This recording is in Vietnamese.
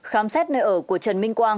khám xét nơi ở của trần minh quang